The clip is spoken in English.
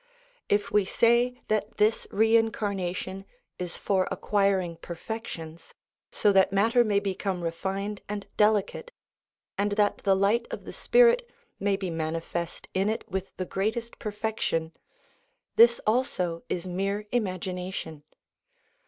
If we say that this reincarnation is for acquiring perfections, so that matter may become refined and delicate, and that the light of the spirit may be x 322 SOME ANSWERED QUESTIONS manifest in it with the greatest perfection, this also is mere imagination.